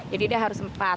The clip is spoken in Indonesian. jadi dia harus empat